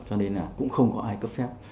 cho nên là cũng không có ai cấp phép